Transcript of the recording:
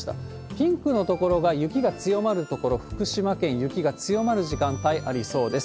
ピンクの所が雪が強まる所、福島県、雪が強まる時間帯ありそうです。